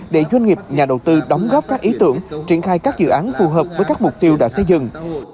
để doanh nghiệp nhà đầu tư đóng góp các ý tưởng triển khai các dự án phù hợp với các mục tiêu đã xây dựng